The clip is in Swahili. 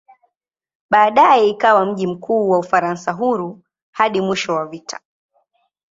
Baadaye ikawa mji mkuu wa "Ufaransa Huru" hadi mwisho wa vita.